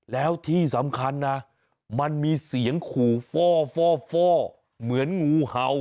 แล้วที่สำคัญนะมันมีเสียงขู่ฟ่อเหมือนงูเห่า